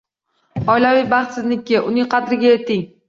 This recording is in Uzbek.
Oilaviy baxt sizniki, uning qadriga yeting